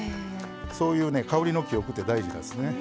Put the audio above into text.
そういう香りの記憶って大事ですね。